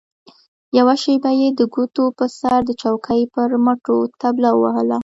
يوه شېبه يې د ګوتو په سر د چوکۍ پر مټو طبله ووهله.